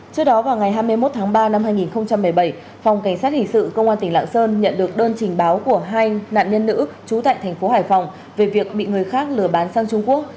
trước đó vào ngày hai mươi một tháng ba năm hai nghìn một mươi bảy phòng cảnh sát hình sự công an tỉnh lạng sơn nhận được đơn trình báo của hai nạn nhân nữ trú tại thành phố hải phòng về việc bị người khác lừa bán sang trung quốc